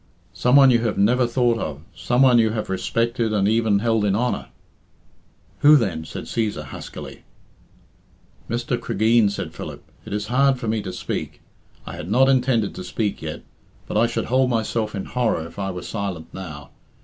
"Some one you have never thought of some one you have respected and even held in honour " "Who, then?" said Cæsar huskily. "Mr. Cregeen," said Philip, "it is hard for me to speak. I had not intended to speak yet; but I should hold myself in horror if I were silent now.